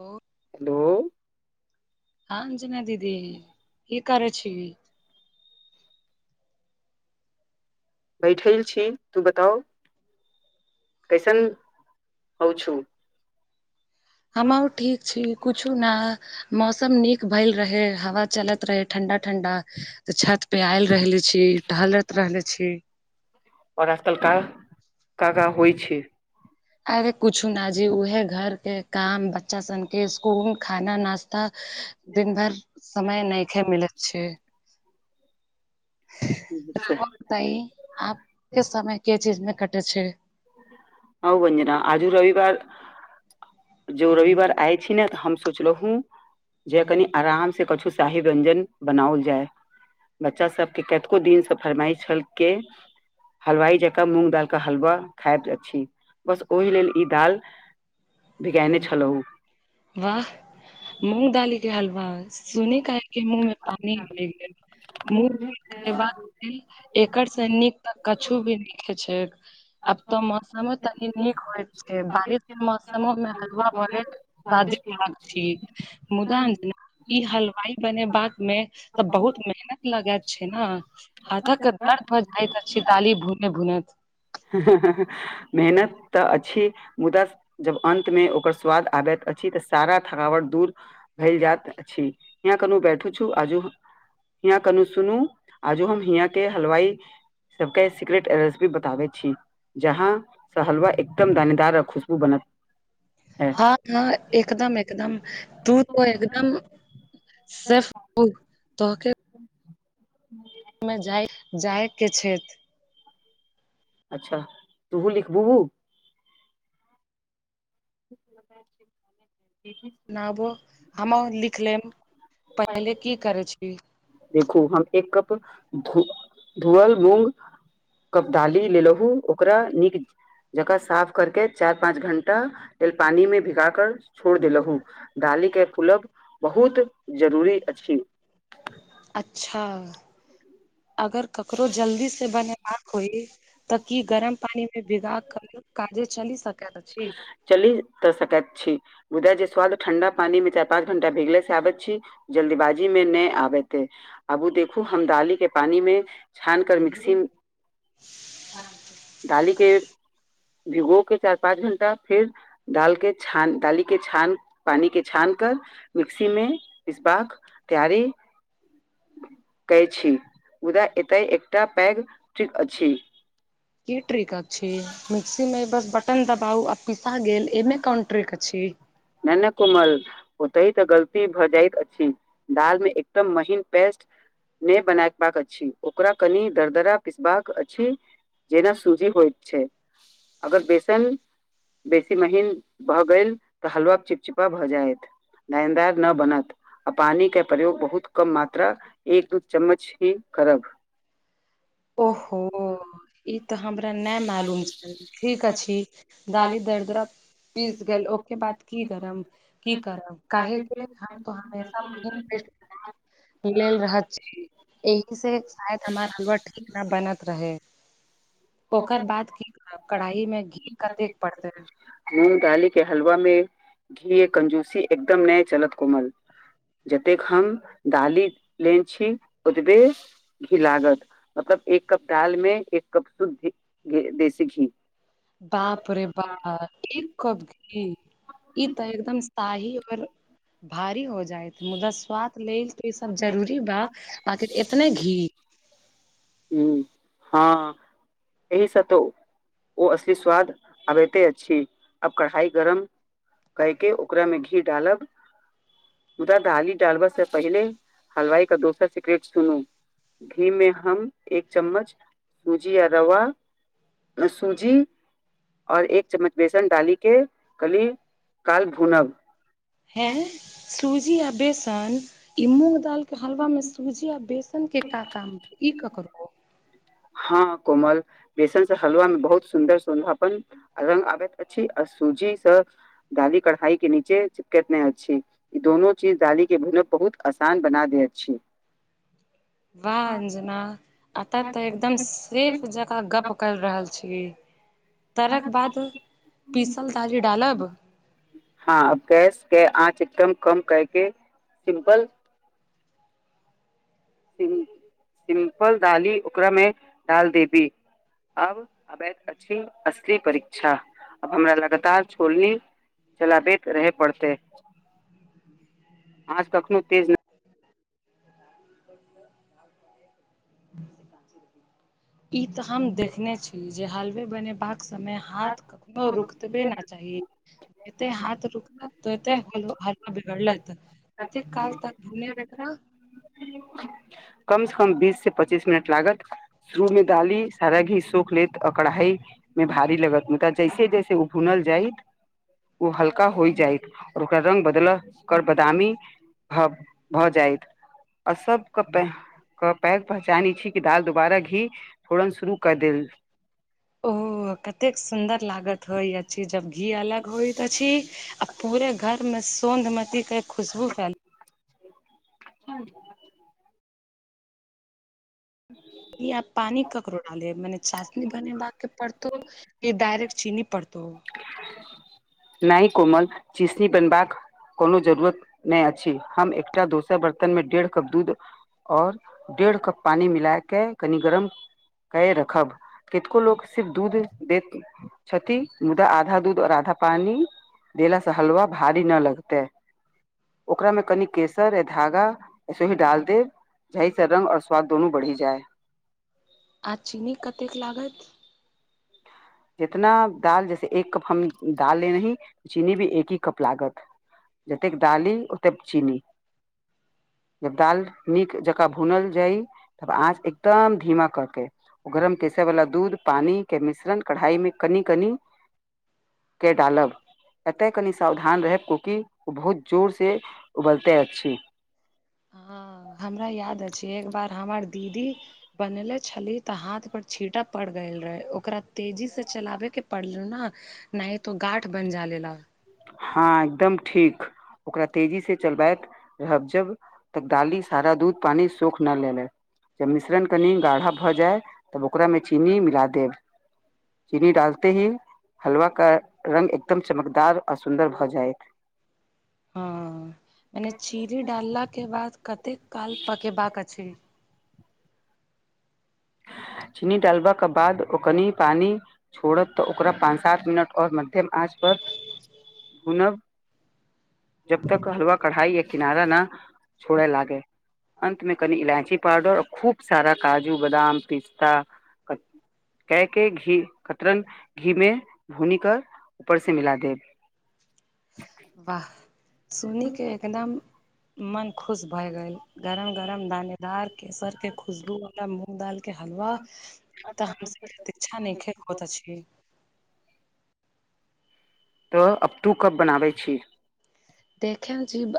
ओ hello हँ अंजना दीदी की करैत छीही? बैठल छी तू बताउ कैसन हो छू? हमओ ठीक छी कूछु ना मौसम नीक भईल रहे हवा चलैत रहे ठंडा ठंडा त छत पे आयल रहले छी टहलैत रहले छी। और आजकल का कागा होइ छैय? अरे कुछु न जी उहे घर के काम बच्चा सबन के स्कूल खाना नास्ता दिन भर समय नैखे मिलैत छैय। [unintelligible] तई आप के समय के चीज में कटे छैय? हँ बजरा आजु रविवार जो रविवार आय छी ने तऽ हम सोचलहु जे कनि आराम से कछु शाही व्यञ्जन बनाओल जाय। बच्चा सबके केतको दिनसँ फरमाइस छल के हलवाई जकाँ मूंग दाल के हलवा खायत अछि, बस ओहि लेल ई दाल बिगेने छलहु। वाह मूँग दाली के हलवा सुनी काके मुह में पानी पड़। [unintelligible] एकरसँ नीक तऽ कछु भी नैखे छैक। आब तऽ मौसमो तनी नीक होय छैय बारिश के मौसम [unintelligible] मुदा ई हलवाई बनेबाक मे तऽ बहुत मेहनत लगैत छैय ने। हाथक के दर्द हो जाय छि दाली भुने भुनैत। ह ह ही मेहनत तऽ अछि मुदा जब अन्तमे ओकर स्वाद आबैत अछि तऽ सारा थकावट दूर भइ जायत अछि, यहां कनी बैठू छु आजु हिय कनू सुनू आजो हम हिय के हलवाई सब के सीक्रेट रेसिपी बताबे छी जहाँस हलवा एकदम दानेदार आ खुशबू बनत है हँ हँ एकदम एकदम तू त एकदम सेफ तो तोहके [unintelligible] मे जाय जायके छैथ। अच्छा तूहू लिखबूहु? [inaudible] नबो हमहु लिख लेम पहिले की करै छीही? देखू हम एक कप धू धुअल मूंग कप दाली लेलहु ओकरा नीक जे जगह साफ करके चार पाँच घंटा तेल पानी मे भिगा कर छोड़ देलहु डाली के फूलब बहुत जरूरी अछि अच्छा अगर ककरो जल्दी से बनेबाक होय तऽ की गरम पानिमे भीगा क काजे चलि सकैत अछि चली त सकैत छी मुदा जे स्वाद ठण्डा पानी मे चारि पाँच घंटा भिगले से आबैत छी जल्दीबाजी मे नहि आबेत अआबू देखू हम डाली के पानी मे छान कर मिक्सी ह [unintelligible] डाली के भिगो के चार पाँच घण्टा फिर डाल के छान डाली के छान पानी के छान कर मिक्सीमे पिसबाक तैयारी कहै छी उदाय एतय एकटा पैग ट्रिक अछि की ट्रिक अछि मिक्सी मे बस बटन दबाउ पीसा गेल एमे काउन ट्रीक अछि नहि नहि कोमल ओतहि तऽ गलती भऽ जाइत अछि दाल मे एकदम महीन पेस्ट नहि बनायबाक अछि ओकरा कनि दरदरा पिसबाक अछि जेना सुजी होइत छै अगर बेसन बेसी महीन भ गेल तऽ हलवा चिपचिपा भऽ जायत दायन्दार न बनत आ पानी के प्रयोग बहुत कम मात्रा एक दू चम्मच ही करब ओहो ई तऽ हमरा नहि मालूम छै ठीक अछि दाली दर्दरा पीस गेल ओके बात की करम की करब काहेके हमेशा म मिल रहत एहि से शायद हमर हलवा ठीक ना बनत रहे ओकर बाद की करब कढ़ाई में घी कतेक पड़ते मूगदाली के हलवा में घी कंजूसी एकदम नय चलत कोमल जतेक हम दाली लेन छी ओतबे घी लागत मतलब एक कप दाल मे एक कप शुद्ध देसी घी बापरे बाप एक कप घी ई तऽ एकदम शाही आओर भारी हो जा जा मुदा स्वाद लेल तो ई सब जरूरी बा बाकि एतने घी ह हँ एहि सब तो ओ असली स्वाद आबते अछि अब कढ़ाई गरम कय के ओकरा में घी डालब मुदा दाली डालबा से पहिले हलवाई क दोसर सिक्रेट सुनू घी मे हम एक चम्मच सूजी य रवा सूजी आओर एक चम्मच बेसन डाली के कली काल भूनब हे सूजी आ बेसन ई मूँंग दाल के हलवा मे सूजी आ बेसन के का काम ई क करू हँ कोमल बेसन से हलुआ मे बहुत सुन्दर सुन्दर अपन रंग आबैत अछि आ सूजीसँ कढ़ाई के नीचे चिपकैत नहि अछि ई दोनो चीज डाली के भूनब बहुत आसान बना दे अछि वाह अंजना आत तऽ एकदम हम सिर्फ जकाँ गप कर रहल छी तरक बात पीसल दाली डालब हाँ गैस के आँच एकदम कम करके सिम्पल सिम्पल दाली ओकरा में डाल देबी अब अबैध अछि असली परीक्षा अब हमरा लगातार छोलनी चलाबैत रहे पड़तै आच कखनो तेज नहि [inaudible] ई तऽ हम देखने छी जे हालवे बनेबाक समय हाथ कखनो रुकतबे ना चाहि कते हाथ रुक तै हल हलव बिगड़लत काल त [unintelligible] कम से कम बीस से पच्चीस मिनट लागत शुरू मे डाली सारा घी सोख लेत कढ़ाई मे भारी लागत मुदा जैसे जैसे ओ भुनल जाइत ओ हल्का होइ जायत और ओर ओकर रंग बदल कर बदामी भऽ भऽ जायत आ सब के के पैक पहचानैत छी कि दाल दुोबारा घी फोड़न शुरू कऽ देल ओ कतेक सुन्दर लागत होय अछि जब घी अलग होयत अछि पूरे घर में सोन्दमती के खुशबू फैल [unintelligible] आब पानी ककरो डाले मने चाशनी बने बाकाे पड़तौ ई डायरेक्ट चीनी पड़तौ नहि कोमल चीसनी बनबाक कोनो जरूरत नहि अछि हम एकटा दोसर बर्तन में डेढ़ कप दूध और डेढ़ कप पानि मिलाय के कनी गरम के रखब कितको लोक सिर्फ दूध दैत छथि मुदा आधा दूध और आधा पानी देला से हलवा भारी ना लगतै ओकरा में कनि केसर आ धागा सोहो डाल देब जाई से रंग और बढ़ी जाए आ चीनी कतेक लागत जितना दाल जैसे एक कप हम दाल लेली चीनी भी एक हे कप लागत जतेक दाली ओतेक चीनी जब दाल नीक जकाँ भूनल जाय तब आँच एकदम धीमा कऽ के ओ गरम केसर वाला दूध पानी के मिश्रण कढ़ाई मे कनी कनी [inaudible] एतय कनि सावधान रहब कुकि ओ बहुत जोर सँ उबलते अछि ह हमरा याद अछि एक बार हमर दीदी बनेले छली तऽ हाथ पर छीटा पड़ गेल रहै ओकरा तेजी से चलाबे के परले ने नहि तो गाठ बन जालेला हाँ एकदम ठीक ओकरा तेजी सँ चलबैत रहब जब तब डाली सारा दूध पानी सूख न ले ले जब मिश्रण कनि गाढ़ा भऽ जाय तब ओकरा में चीनी मिला देब चीनी डालते ही हलवा का रंग एकदम चमकदार आ सुन्दर भऽ जायत [inaudible] हँ मने चीनी डालला के बाद कते काल पकेबाक अछि चीनी डालबा के बाद ओ कनी पानी छोड़त तऽ ओकरा पाँच सात मिनट और मध्यम आंच पर भूनब जब तक हलवा कढ़ाई या किनारा न छोड़े लागे अन्त में कनि इलायची पाउडर आ खूब सारा काजू बदाम पिस्ता कै के घी कतरन घी मे भूनी कर ऊपर से कतरन मिला देब [inaudible] वाह सुनि के एकदम मन खुश भए गेल गरम गरम दाने दार केसर के खुशबू वाला मूँग दाल के हलवा तऽ हमसे अच्छा नहि होइत अछि तऽ अप टू कप बनाबै छी देखे जीब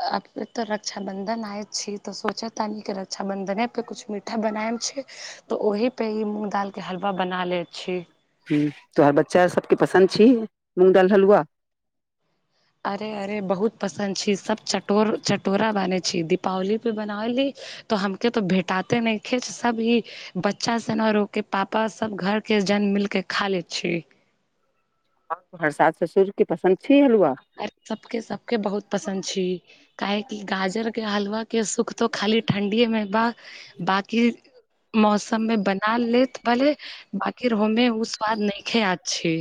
त रक्षाबंधन आय छी तऽ सोचे त नीक रक्षा बन्धने परर कछु मीठा बनाएम छै तऽ ओहिपे ह मूँग दालके हलवा बना लै छी ह तोहर बच्चा सबके पसन्द छी मूंग दालि हलुआ अरे अरे बहुत पसन्द छी सभ चटोर चटोरा बानहै छी दीपावलीपे बनाबलै तो हम के तो भेटााते नहि खेच सब ही बच्चा सन आरोक के पापा सब घर के जन्म मिलके खा ले छी आओ तोहर सास ससुरके पसन्द छी हलुआ सबके सबके बहुत पसन्द छी काहेकि गाजर के हलवा के सुख तऽ खाली ठण्डीएमे बा बाकी मौसममे बना लेत भले आखिर हमे ओ स्वाद नहि खेा छी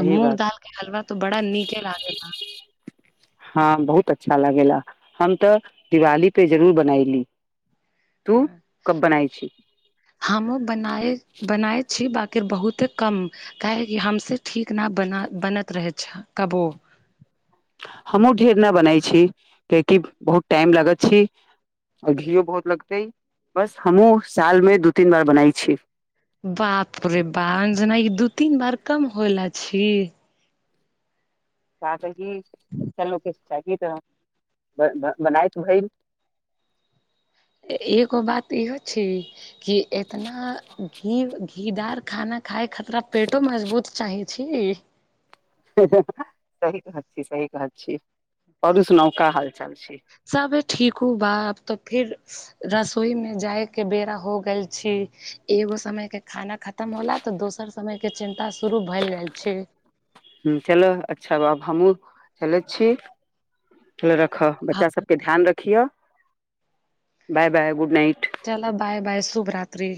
आ मूँंग बात दाल के हलवा तो बड़ा नीके लागेला हँ बहुत अच्छा लगेला हम तऽ दिवाली पे जरूर बनायली तू कब बनाय छी हमो बनाए बनाय छी बकि बहुते कम काहे की हमसे ठीक नहि बना बनैत रहै छै कबो हमूँ ढेर न बनाै छी कियकि बहुत टाइम लगत छी आ घीो बहुत लगते बस हमहुँ साल में दू तीन बार बनाई छी बाप रे बाप जेना ई दू तीन बार कम होला छी त त क बच्चा लोकके शिक्षा क तरह बनाइत भेल एगो बात इहो छै कि एतना घीव घी घीदार खाना खाय खतरा पेटो मजबूत चाहै छी सही बात छी सही बात छी आओरु सुनाउ का हाल चाल छी सब ठीक हू बा अब तऽ फिर रसोई मे जाय के बेरा हो गेल छी एगो समय के खाना खतम होला तऽ दोसर समय के चिन्ता शुरू भेलै गेल छै ह चलो अच्छा बा हमहुँ चलैत छी रख बच्चा सबके ध्यान रखिह बाय बाय गुड नाइट चलअ बाय बाय शुभ रात्री